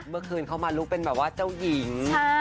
เมื่อคืนเขามาลุกเป็นแบบว่าเจ้าหญิง